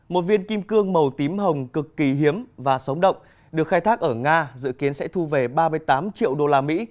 một viên kim cương màu tím hồng cực kỳ hiếm và sống động được khai thác ở nga dự kiến sẽ thu về ba mươi tám triệu đô la mỹ